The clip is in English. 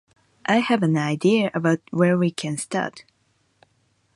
I have an idea about where we can start.